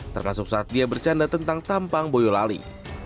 termasuk saat dia bercanda tentang tampang boyolali